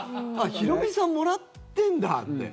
ヒロミさんもらってんだって。